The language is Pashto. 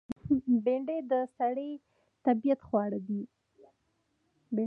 بېنډۍ د سړي طبیعت خوړه ده